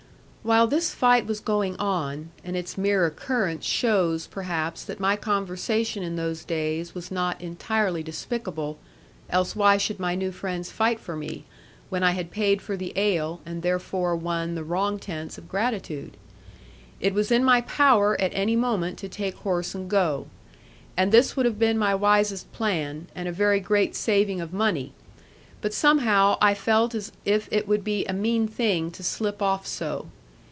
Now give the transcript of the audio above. While this fight was going on (and its mere occurrence shows, perhaps, that my conversation in those days was not entirely despicable else why should my new friends fight for me, when I had paid for the ale, and therefore won the wrong tense of gratitude?) it was in my power at any moment to take horse and go. And this would have been my wisest plan, and a very great saving of money; but somehow I felt as if it would be a mean thing to slip off so.